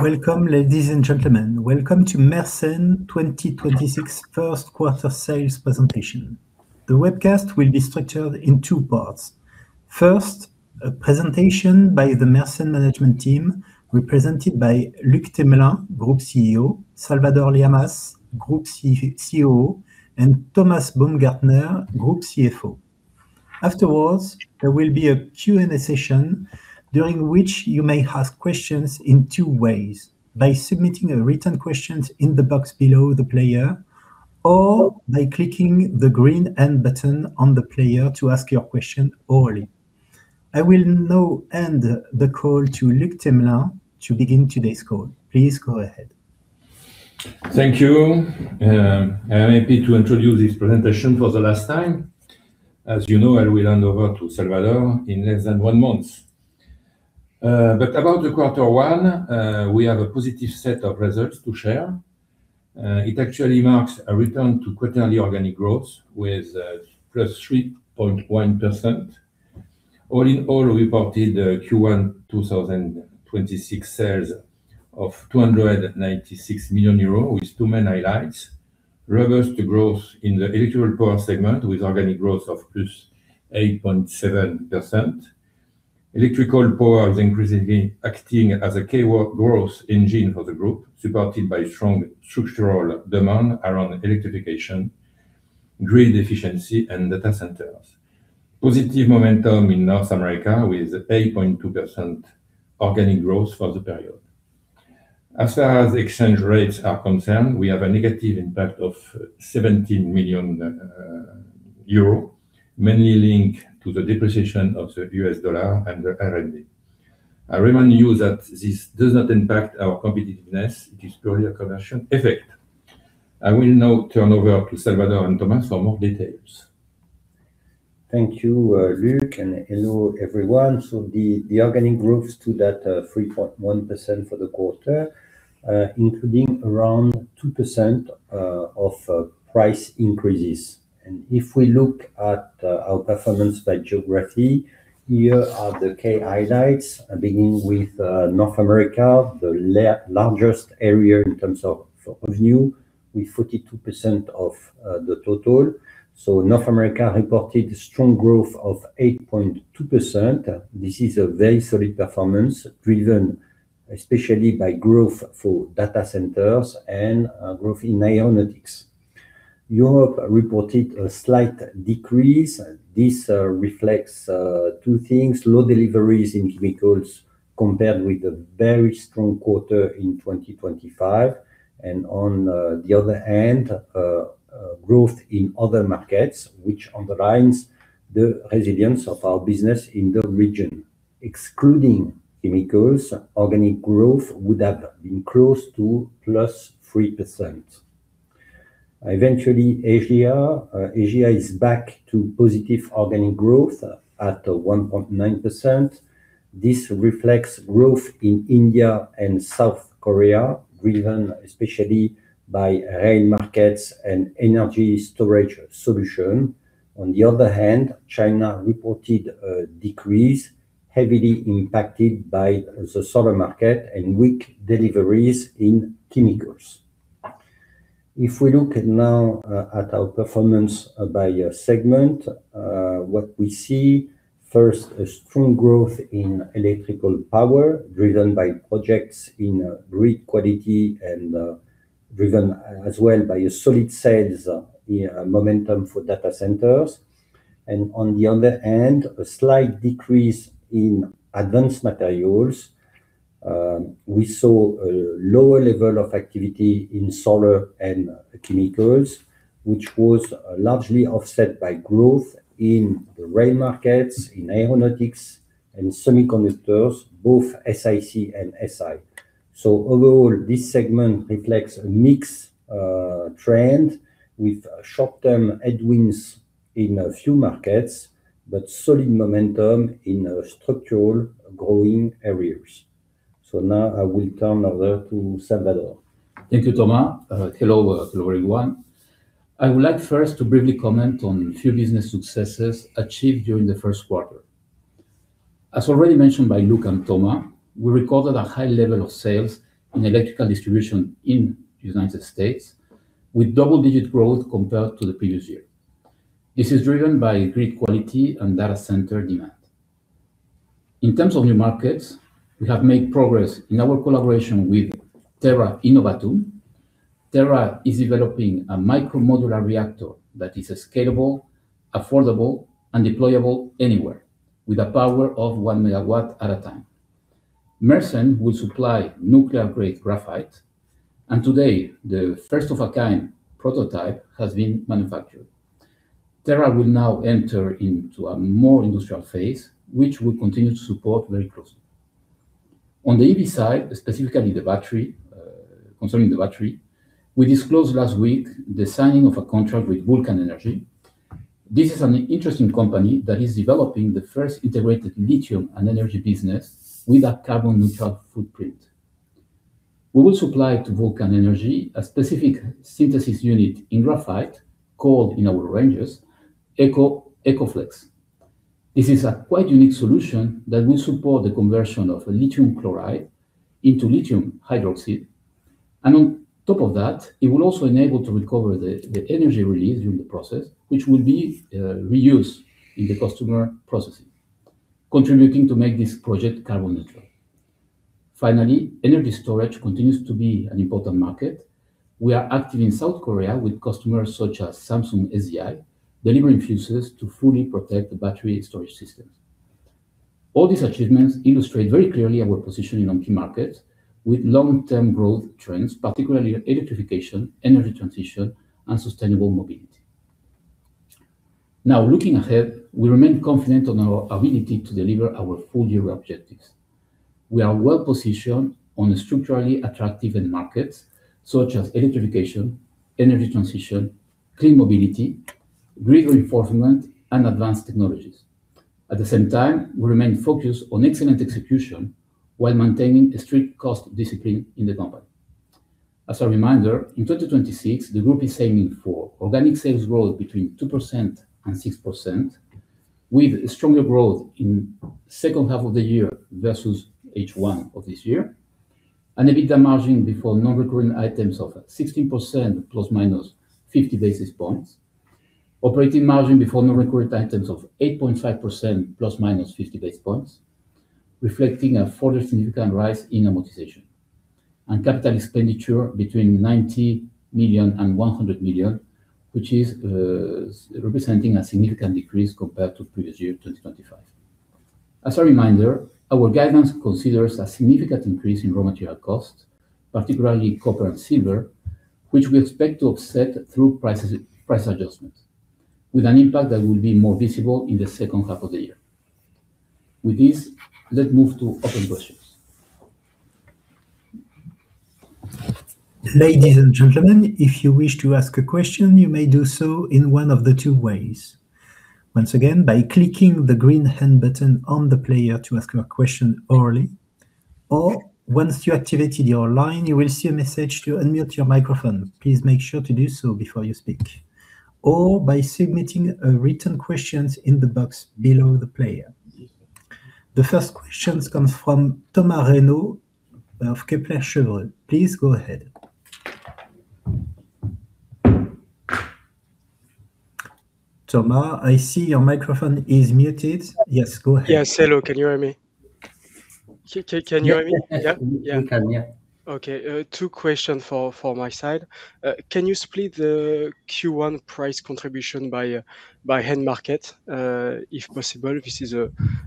Welcome, ladies and gentlemen. Welcome to Mersen 2026 first quarter sales presentation. The webcast will be structured in two parts. First, a presentation by the Mersen management team represented by Luc Themelin, Group CEO, Salvador Lamas, Group COO, and Thomas Baumgartner, Group CFO. Afterwards, there will be a Q&A session during which you may ask questions in two ways: by submitting a written questions in the box below the player, or by clicking the green N button on the player to ask your question orally. I will now hand the call to Luc Themelin to begin today's call. Please go ahead. Thank you. I am happy to introduce this presentation for the last time. As you know, I will hand over to Salvador in less than one month. But about the quarter one, we have a positive set of results to share. It actually marks a return to quarterly organic growth with +3.1%. All in all, we reported a Q1 2026 sales of 296 million euros, with two main highlights. Robust growth in the electrical power segment with organic growth of +8.7%. Electrical power is increasingly acting as a key growth engine for the group, supported by strong structural demand around electrification, grid efficiency, and data centers. Positive momentum in North America with 8.2% organic growth for the period. As far as exchange rates are concerned, we have a negative impact of 17 million euro, mainly linked to the depreciation of the US dollar and the RMB. I remind you that this does not impact our competitiveness. It is purely a conversion effect. I will now turn over to Salvador and Thomas for more details. Thank you, Luc, and hello, everyone. The organic growths to that 3.1% for the quarter, including around 2% of price increases. If we look at our performance by geography, here are the key highlights. I'm beginning with North America, the largest area in terms of revenue with 42% of the total. North America reported strong growth of 8.2%. This is a very solid performance driven especially by growth for data centers and growth in aeronautics. Europe reported a slight decrease. This reflects two things, low deliveries in chemicals compared with a very strong quarter in 2025. On the other hand, growth in other markets, which underlines the resilience of our business in the region. Excluding chemicals, organic growth would have been close to +3%. Eventually, Asia. Asia is back to positive organic growth at 1.9%. This reflects growth in India and South Korea, driven especially by rail markets and energy storage solution. On the other hand, China reported a decrease heavily impacted by the solar market and weak deliveries in chemicals. If we look at now, at our performance by segment, what we see, first, a strong growth in electrical power driven by projects in grid quality and as well by a solid sales momentum for data centers. On the other hand, a slight decrease in advanced materials. We saw a lower level of activity in solar and chemicals, which was largely offset by growth in the rail markets, in aeronautics, and semiconductors, both SiC and Si. Overall, this segment reflects a mixed trend with short-term headwinds in a few markets, but solid momentum in structural growing areas. Now I will turn over to Salvador. Thank you, Thomas. Hello to everyone. I would like first to briefly comment on a few business successes achieved during the first quarter. As already mentioned by Luc and Thomas, we recorded a high level of sales in electrical distribution in the United States with double-digit growth compared to the previous year. This is driven by grid quality and data center demand. In terms of new markets, we have made progress in our collaboration with Terra Innovatum. Terra is developing a micro modular reactor that is scalable, affordable, and deployable anywhere with a power of 1MW at a time. Mersen will supply nuclear-grade graphite, and today, the first of a kind prototype has been manufactured. Terra will now enter into a more industrial phase, which we'll continue to support very closely. On the EV side, specifically the battery, concerning the battery, we disclosed last week the signing of a contract with Vulcan Energy. This is an interesting company that is developing the first integrated lithium and energy business with a carbon neutral footprint. We will supply to Vulcan Energy a specific synthesis unit in graphite called, in our ranges, Ecoflex. This is a quite unique solution that will support the conversion of lithium chloride into lithium hydroxide. On top of that, it will also enable to recover the energy released during the process, which will be reused in the customer processing, contributing to make this project carbon neutral. Finally, energy storage continues to be an important market. We are active in South Korea with customers such as Samsung SDI, delivering fuses to fully protect the battery storage systems. All these achievements illustrate very clearly our position in key markets with long-term growth trends, particularly electrification, energy transition, and sustainable mobility. Now, looking ahead, we remain confident on our ability to deliver our full year objectives. We are well-positioned on the structurally attractive end markets such as electrification, energy transition, clean mobility, grid reinforcement, and advanced technologies. At the same time, we remain focused on excellent execution while maintaining a strict cost discipline in the company. As a reminder, in 2026, the group is aiming for organic sales growth between 2% and 6%, with stronger growth in second half of the year versus H1 of this year. An EBITDA margin before non-recurring items of 16% ±50 basis points. Operating margin before non-recurring items of 8.5% ±50 basis points, reflecting a further significant rise in amortization. Capital expenditure between 90 million and 100 million, which is representing a significant decrease compared to previous year, 2025. As a reminder, our guidance considers a significant increase in raw material costs, particularly copper and silver, which we expect to offset through prices, price adjustments, with an impact that will be more visible in the second half of the year. With this, let's move to open questions. Ladies and gentlemen, if you wish to ask a question, you may do so in one of the two ways. Once again, by clicking the green hand button on the player to ask your question orally, or once you activated your line, you will see a message to unmute your microphone. Please make sure to do so before you speak. Or by submitting a written question in the box below the player. The first question comes from Thomas Renaud of Kepler Cheuvreux. Please go ahead. Thomas, I see your microphone is muted. Yes, go ahead. Yes. Hello, can you hear me? Can you hear me? Yes. Yes. Yeah? Yeah. We can, yeah. Okay. Two question for my side. Can you split the Q1 price contribution by end market, if possible? This is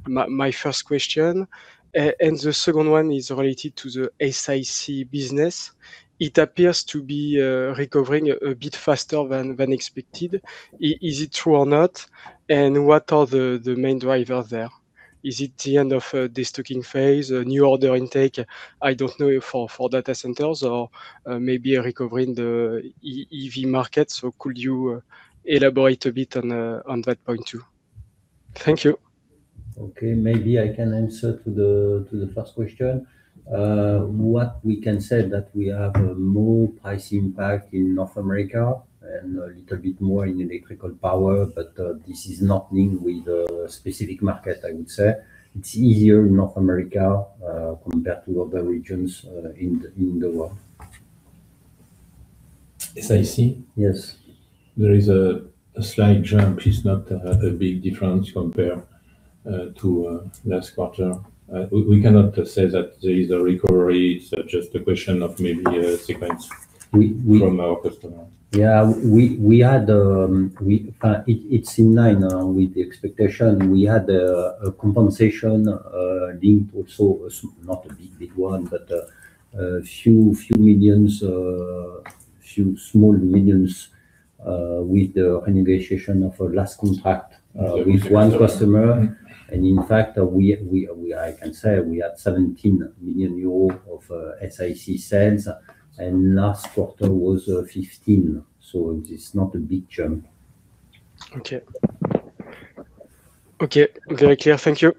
my first question. The second one is related to the SiC business. It appears to be recovering a bit faster than expected. Is it true or not? What are the main driver there? Is it the end of de-stocking phase? A new order intake, I don't know, for data centers or maybe a recovery in the EV market. Could you elaborate a bit on that point too? Thank you. Okay. Maybe I can answer to the, to the first question. What we can say that we have a more price impact in North America and a little bit more in electrical power, but this is not linked with a specific market, I would say. It's easier in North America, compared to other regions, in the world. SIC? Yes. There is a slight jump. It's not a big difference compared to last quarter. We cannot say that there is a recovery. It's just a question of maybe a sequence. We, we- from our customer. Yeah. We had it's in line with the expectation. We had a compensation linked also not a big one, but a few small million with the renegotiation of a last contract with one customer. In fact, I can say we had 17 million euros of SiC sales, and last quarter was 15 million, so this is not a big jump. Okay. Very clear. Thank you.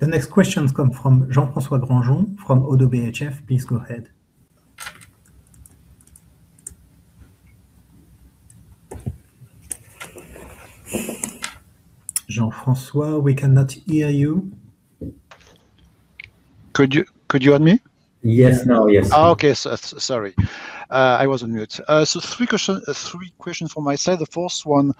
The next questions come from Jean-François Granjon from Oddo BHF. Please go ahead. Jean-François, we cannot hear you. Could you hear me? Yes. Now, yes. Okay. Sorry. I was on mute. Three questions from my side. The first one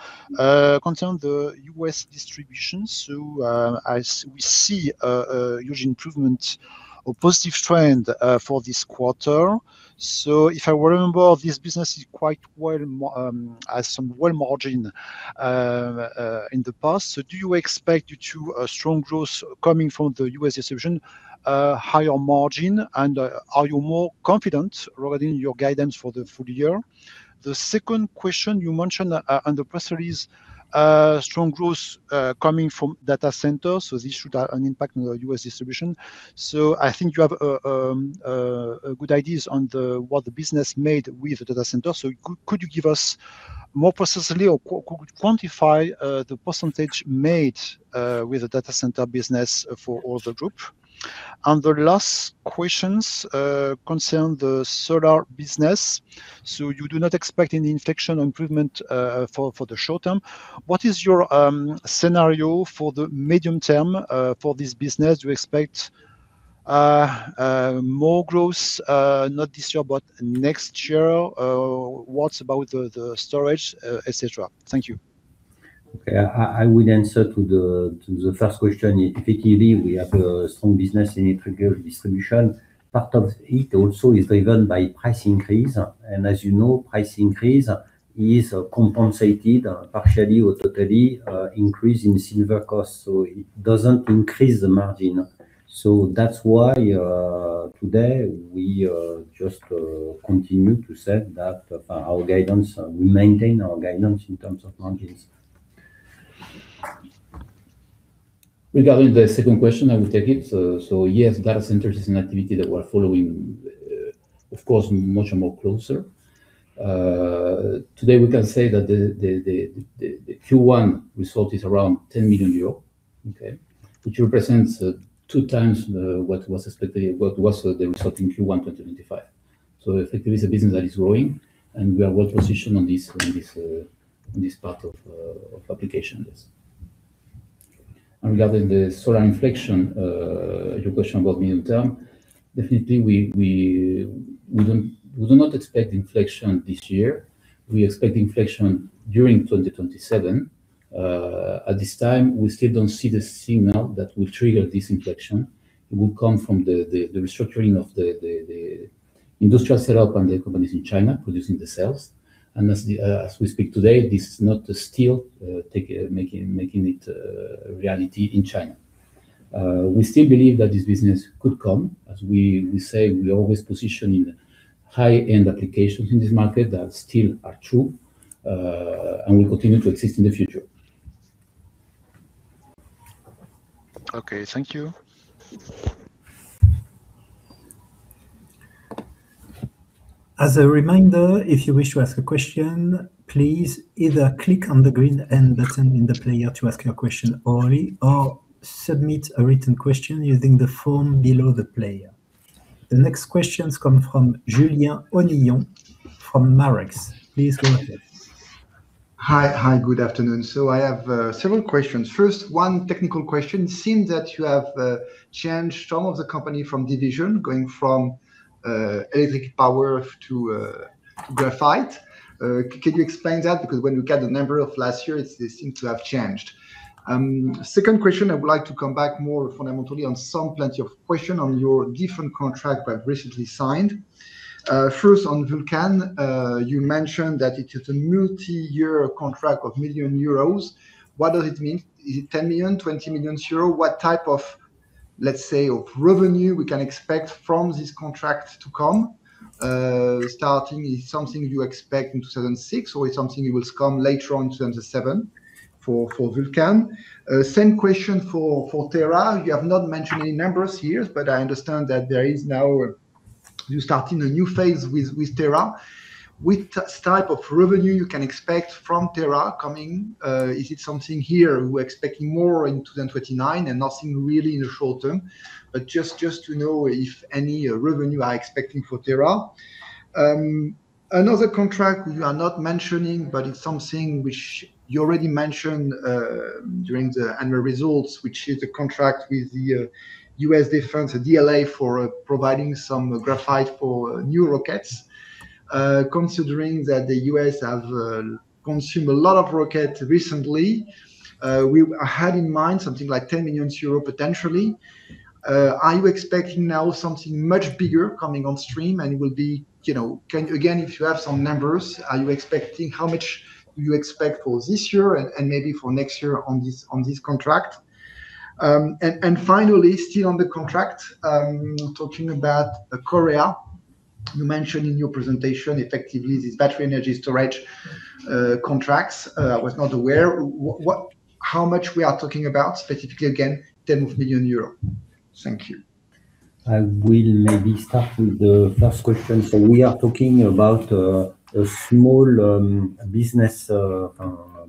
concerns the U.S. distribution. We see a huge improvement or positive trend for this quarter. If I remember, this business is quite well, has some good margins in the past. Do you expect due to a strong growth coming from the U.S. distribution a higher margin? And are you more confident regarding your guidance for the full year? The second question, you mentioned under pressure is strong growth coming from data centers, so this should have an impact on the U.S. distribution. I think you have a good idea on what the business mix with data centers. Could you give us more precisely or quantify the percentage made with the data center business for all the group? The last questions concern the solar business. You do not expect any inflection improvement for the short term. What is your scenario for the medium term for this business? You expect more growth not this year, but next year? What about the storage, etc.? Thank you. Okay. I would answer to the first question. Effectively, we have a strong business in integrated distribution. Part of it also is driven by price increase. As you know, price increase is compensated partially or totally, increase in silver cost, so it doesn't increase the margin. That's why, today we just continue to say that our guidance, we maintain our guidance in terms of margins. Regarding the second question, I will take it. Yes, data center is an activity that we're following, of course, much more closer. Today we can say that the Q1 result is around 10 million euros, okay? Which represents 2x what was expected, what was the result in Q1 2025. Effectively it's a business that is growing, and we are well-positioned on this part of applications. Regarding the solar inflection, your question about medium term, definitely we do not expect inflection this year. We expect inflection during 2027. At this time, we still don't see the signal that will trigger this inflection. It will come from the restructuring of the industrial setup and the companies in China producing the cells. As we speak today, this is not yet making it a reality in China. We still believe that this business could come. As we say, we always position in high-end applications in this market that still are true and will continue to exist in the future. Okay. Thank you. As a reminder, if you wish to ask a question, please either click on the green N button in the player to ask your question orally or submit a written question using the form below the player. The next questions come from Julien Onillon from Marex. Please go ahead. Hi. Hi. Good afternoon. I have several questions. First, one technical question. It seems that you have changed some of the company from division, going from electrical power to graphite. Can you explain that? Because when you get the number of last year, it seems to have changed. Second question, I would like to come back more fundamentally on plenty of questions on your different contracts you have recently signed. First on Vulcan, you mentioned that it is a multi-year contract of million euros. What does it mean? Is it 10 million, 20 million euro? What type of, let's say, of revenue we can expect from this contract to come? Starting, is it something you expect in 2026, or it's something you will come later on in 2027 for Vulcan? Same question for Terra. You have not mentioned any numbers here, but I understand that there is now. You are starting a new phase with Terra. Which type of revenue you can expect from Terra coming? Is it something here we are expecting more in 2029 and nothing really in the short term? Just to know if any revenue you are expecting for Terra. Another contract you are not mentioning, but it is something which you already mentioned during the annual results, which is the contract with the U.S. Defense, the DLA, for providing some graphite for new rockets. Considering that the U.S. have consumed a lot of rockets recently, I had in mind something like 10 million euro potentially. Are you expecting now something much bigger coming on stream, and it will be, you know. Again, if you have some numbers, how much do you expect for this year and maybe for next year on this contract? Finally, still on the contract, talking about Korea. You mentioned in your presentation effectively this battery energy storage contracts. I was not aware. How much we are talking about, specifically again, in terms of million euros? Thank you. I will maybe start with the first question. We are talking about a small business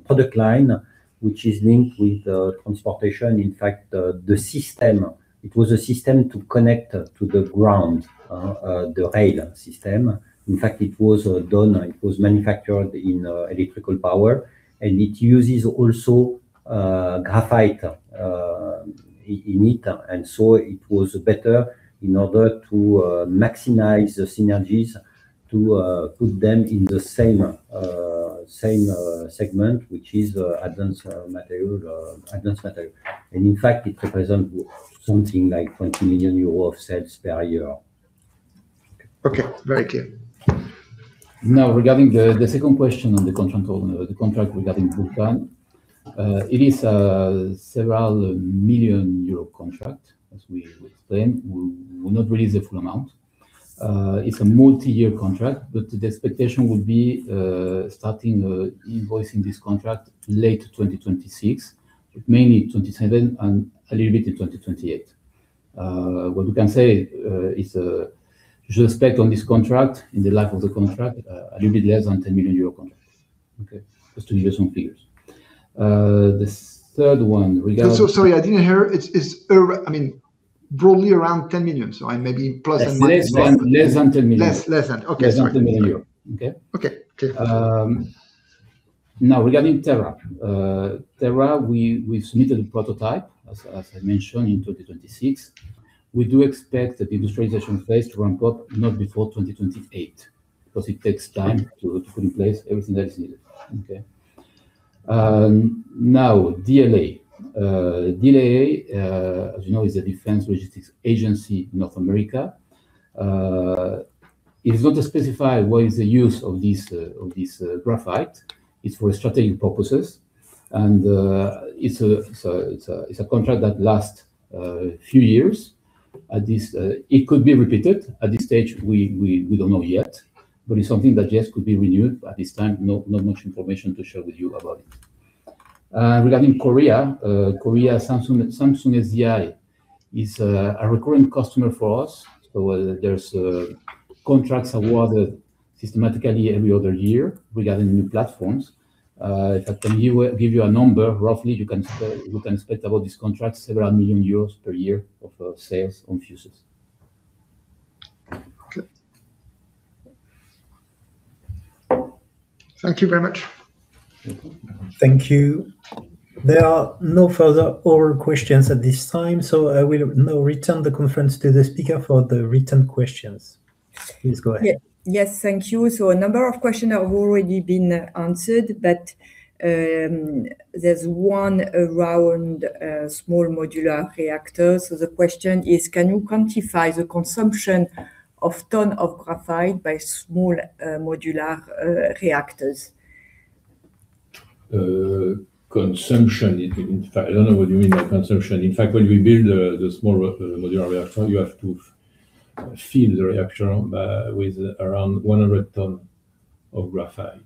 product line, which is linked with transportation. In fact, the system, it was a system to connect to the ground, the rail system. In fact, it was manufactured in electrical power, and it uses also graphite in it. It was better in order to maximize the synergies to put them in the same segment, which is advanced materials. In fact, it represents something like 20 million euro of sales per year. Okay. Very clear. Now, regarding the second question on the contract regarding Vulcan Energy, it is a several million euros contract, as we explained. We will not release the full amount. It's a multi-year contract, but the expectation would be starting invoicing this contract late 2026, mainly 2027 and a little bit in 2028. What we can say is you should expect on this contract, in the life of the contract, a little bit less than 10 million euro contract. Okay. Just to give you some figures. This third one regard- Sorry, I didn't hear. It's, I mean, broadly around 10 million. I maybe plus or minus- Less than 10 million. Less than. Okay. Sorry. Less than 10 million. Okay? Okay. Okay. Now regarding Terra. Terra, we submitted a prototype, as I mentioned, in 2026. We do expect that the industrialization phase to ramp up not before 2028 because it takes time to put in place everything that is needed. Okay? Now DLA. DLA, as you know, is the Defense Logistics Agency in North America. It is not specified what is the use of this graphite. It's for strategic purposes. It's a contract that lasts a few years. It could be repeated. At this stage, we don't know yet. It's something that, yes, could be renewed. At this time, not much information to share with you about it. Regarding Korea Samsung SDI is a recurring customer for us. There's contracts awarded systematically every other year regarding new platforms. If I can give you a number, roughly you can expect about this contract several million EUR per year of sales on fuses. Okay. Thank you very much. Thank you. There are no further oral questions at this time, so I will now return the conference to the speaker for the written questions. Please go ahead. Yes. Yes, thank you. A number of questions have already been answered, but there's one around small modular reactors. The question is, can you quantify the consumption of tons of graphite by small modular reactors? Consumption. In fact, I don't know what you mean by consumption. In fact, when we build the small modular reactor, you have to fill the reactor with around 100 ton of graphite.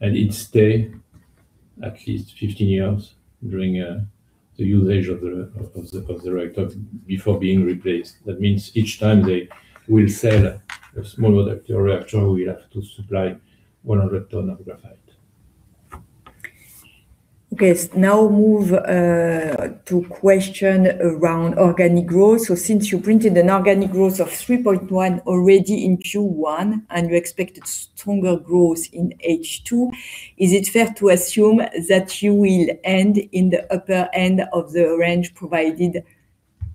It stay at least 15 years during the usage of the reactor before being replaced. That means each time they will sell a small modular reactor, we have to supply 100 ton of graphite. Okay. Now move to question around organic growth. Since you printed an organic growth of 3.1% already in Q1 and you expected stronger growth in H2, is it fair to assume that you will end in the upper end of the range provided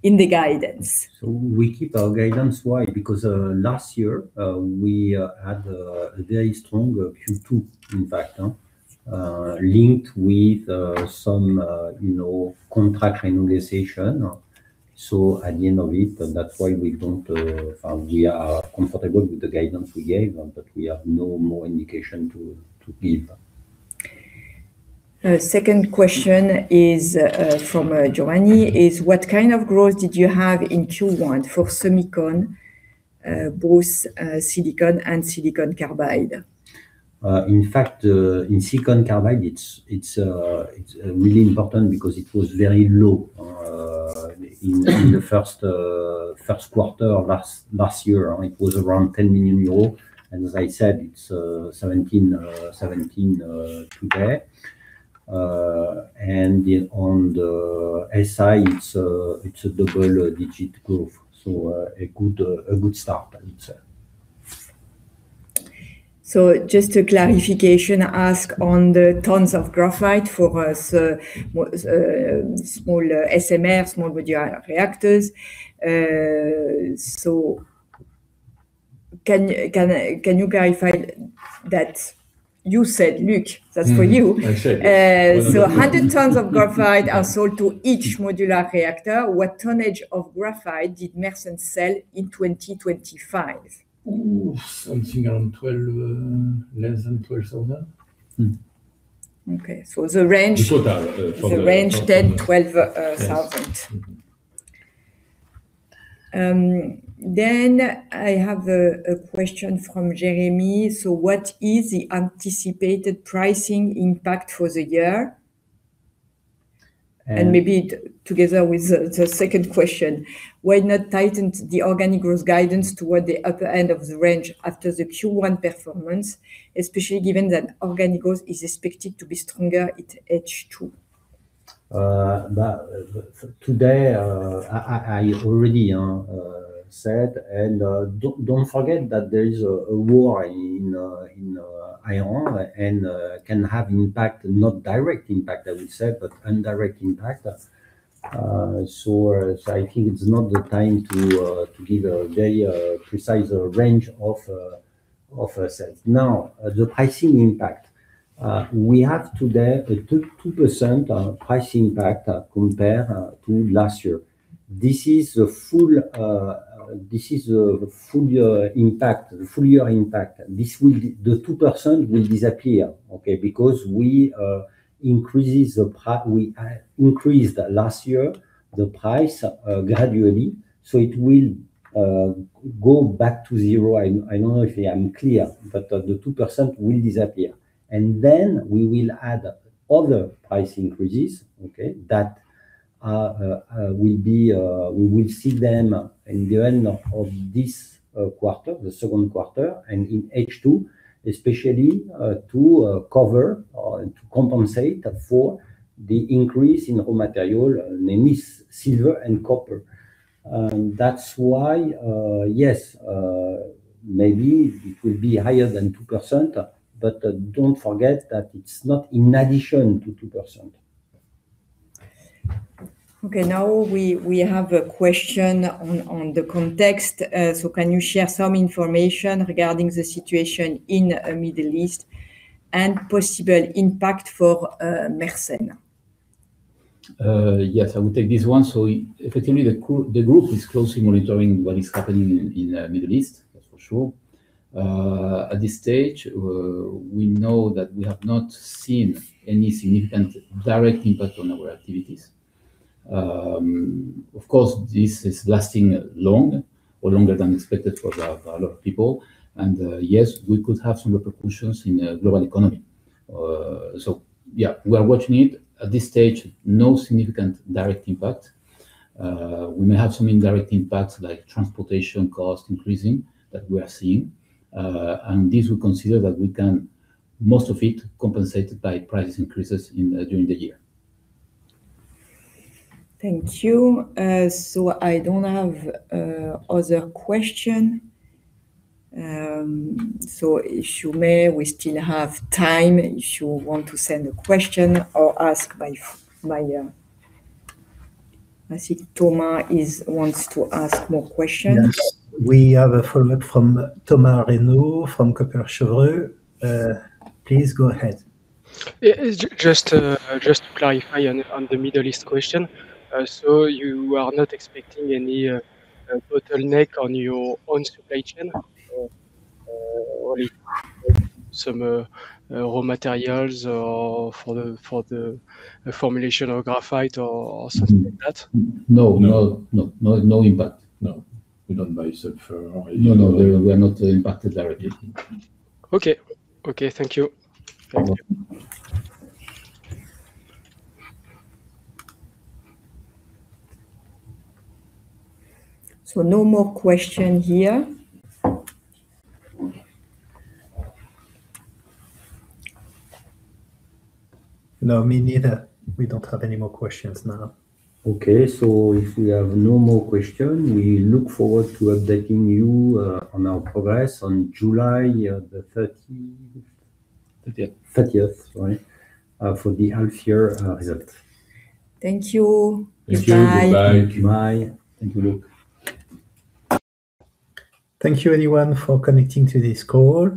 in the guidance? We keep our guidance. Why? Because last year we had a very strong Q2, in fact, linked with some you know contract renovation. At the end of it, that's why we are comfortable with the guidance we gave, but we have no more indication to give. Second question is from Giovanni, what kind of growth did you have in Q1 for semicon, both silicon and silicon carbide? In fact, in silicon carbide, it's really important because it was very low in the first quarter of last year. It was around 10 million euros, and as I said, it's 17 million today. On the Si, it's a double digit growth, so a good start itself. Just a clarification ask on the tons of graphite for small SMR, small modular reactors. Can you clarify that you said, Luc, that's for you. I said. 100 tons of graphite are sold to each modular reactor. What tonnage of graphite did Mersen sell in 2025? Ooh, something around 12,000, less than 12,000 tons. Okay. The range. The total for the- The range 10,000-12,000 tons. Yes. I have a question from Jeremy. What is the anticipated pricing impact for the year? Um- Maybe together with the second question, why not tighten the organic growth guidance toward the upper end of the range after the Q1 performance, especially given that organic growth is expected to be stronger at H2? Today I already said, don't forget that there is a war in Iran and can have impact, not direct impact I would say, but indirect impact. I think it's not the time to give a very precise range of sales. Now, the pricing impact. We have today a 2% price impact compared to last year. This is a full year impact. The 2% will disappear, okay? Because we increased last year the price gradually, so it will go back to zero. I don't know if I am clear, but the 2% will disappear. We will add other price increases, okay. We will see them in the end of this quarter, the second quarter, and in H2, especially to cover, to compensate for the increase in raw material, namely silver and copper. That's why maybe it will be higher than 2%, but don't forget that it's not in addition to 2%. Okay. Now we have a question on the context. So can you share some information regarding the situation in Middle East and possible impact for Mersen? Yes, I will take this one. Effectively, the group is closely monitoring what is happening in Middle East, that's for sure. At this stage, we know that we have not seen any significant direct impact on our activities. Of course, this is lasting long or longer than expected for a lot of people. Yes, we could have some repercussions in global economy. Yeah, we are watching it. At this stage, no significant direct impact. We may have some indirect impacts like transportation costs increasing that we are seeing. This we consider that we can, most of it, compensated by price increases during the year. Thank you. I don't have other question. If you may, we still have time if you want to send a question or ask. I see Thomas wants to ask more questions. Yes. We have a follow-up from Thomas Renaud, please go ahead. Yeah, just to clarify on the Middle East question. You are not expecting any bottleneck on your own supply chain? Or if some raw materials or for the formulation of graphite or something like that? No. No impact. We don't buy sulfur or No, no. We are not impacted directly. Okay. Okay, thank you. Thank you. No more question here. No, me neither. We don't have any more questions now. Okay. If we have no more question, we look forward to updating you on our progress on July, the 30th. 30th.... 30th, sorry, for the half year, result. Thank you. Goodbye. Thank you. Goodbye. Bye. Thank you. Luc. Thank you everyone for connecting to this call.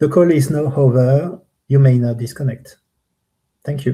The call is now over. You may now disconnect. Thank you.